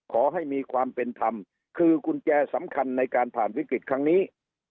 ขอให้มีความเป็นธรรมคือกุญแจสำคัญในการผ่านวิกฤตครั้งนี้